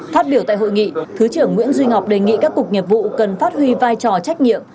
phát biểu tại hội nghị thứ trưởng nguyễn duy ngọc đề nghị các cục nghiệp vụ cần phát huy vai trò trách nhiệm